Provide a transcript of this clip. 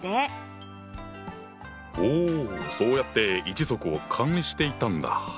おおそうやって一族を管理していたんだ。